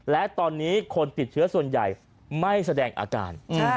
และตอนนี้คนติดเชื้อส่วนใหญ่ไม่แสดงอาการ